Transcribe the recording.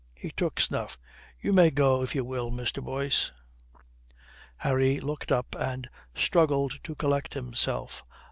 He took snuff. "You may go, if you will, Mr. Boyce." Harry looked up and struggled to collect himself.